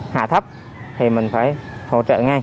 hạ thấp thì mình phải hỗ trợ ngay